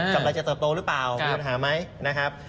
กับรัฐจะตกโตหรือเปล่ามีปัญหามั้ยนะครับ